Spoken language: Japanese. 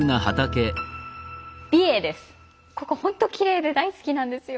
ここほんときれいで大好きなんですよ。